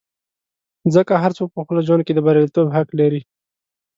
ځکه هر څوک په خپل ژوند کې د بریالیتوب حق لري.